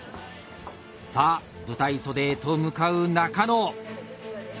さあ舞台袖へと向かう仲野。